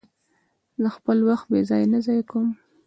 زه خپل وخت بې ځایه نه ضایع کوم.